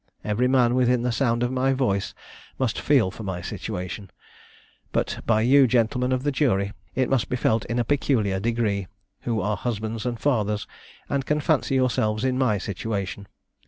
Every man within the sound of my voice must feel for my situation; but by you, gentlemen of the jury, it must be felt in a peculiar degree, who are husbands and fathers, and can fancy yourselves in my situation.